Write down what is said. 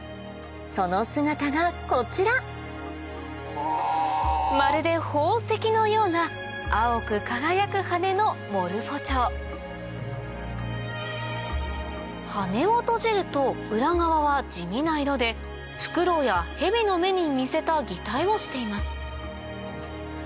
その姿がこちらまるで宝石のような青く輝く羽のモルフォチョウ羽を閉じると裏側は地味な色でフクロウやヘビの目に似せた擬態をしています